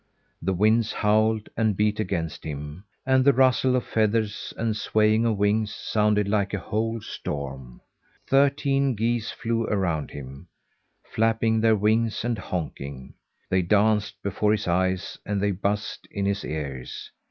The winds howled and beat against him, and the rustle of feathers and swaying of wings sounded like a whole storm. Thirteen geese flew around him, flapping their wings and honking. They danced before his eyes and they buzzed in his ears.